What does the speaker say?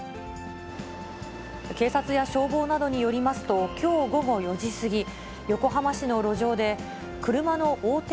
警察や消防などによりますと、きょう午後４時過ぎ、横浜市の路上で、車の横転